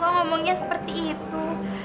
kok ngomongnya seperti itu